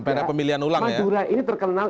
pemilihan ulang ya madura ini terkenal